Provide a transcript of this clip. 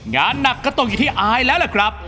งานหนักก็ตกอยู่ที่อายแล้วล่ะครับ